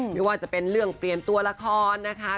ไม่ว่าจะเป็นเรื่องเปลี่ยนตัวละครนะคะ